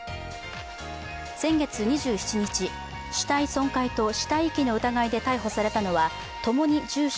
先月２７日、死体遺棄と死体遺棄の疑いで逮捕されたのは共に住所